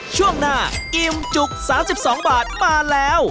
ช่วงหน้าอิ่มจุก๓๒บาทมาแล้ว